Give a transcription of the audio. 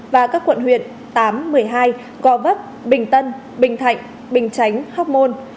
và các quận huyện tám một mươi hai gò vấp bình tân bình thạnh bình chánh hóc môn